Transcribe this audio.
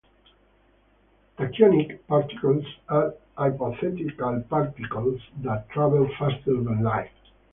Tachyonic particles are hypothetical particles that travel faster than light.